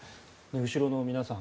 後ろの皆さん